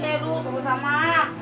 hei lu sama sama